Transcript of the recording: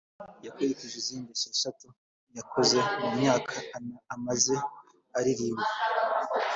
yakurikije izindi esheshatu yakoze mu myaka amaze aririmba